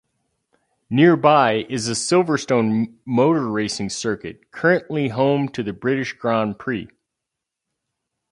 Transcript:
Nearby is the Silverstone motor racing circuit, currently home to the British Grand Prix.